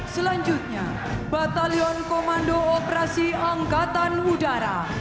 selanjutnya batalion komando operasi angkatan udara